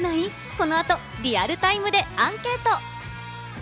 この後、リアルタイムでアンケート。